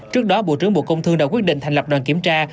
trước đó bộ trưởng bộ công thương đã quyết định thành lập đoàn kiểm tra